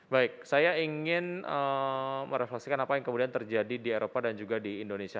baik saya ingin merefleksikan apa yang kemudian terjadi di eropa dan juga di indonesia